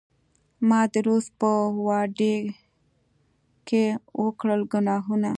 ما د روس په واډکې وکړل ګناهونه